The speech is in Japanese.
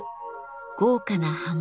豪華な刃文。